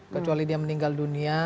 kecuali dia meninggal dunia